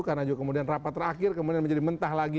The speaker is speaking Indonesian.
karena juga kemudian rapat terakhir kemudian menjadi mentah lagi